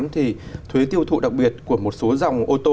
thì thuế tiêu thụ đặc biệt của một số dòng ô tô